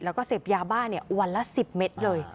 แล้วก็เสพยาบ้าวันละ๑๐เมตรเลย